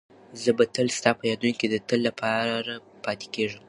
زه به تل ستا په یادونو کې د تل لپاره پاتې کېږم.